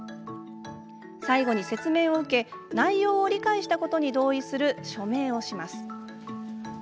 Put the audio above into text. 最後に説明を受け内容を理解したことに同意する署名をします。